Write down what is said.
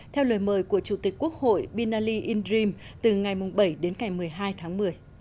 theo lời mời của chủ tịch quốc hội binali indrim từ ngày bảy đến ngày một mươi hai tháng một mươi